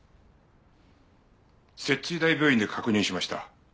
摂津医大病院で確認しました。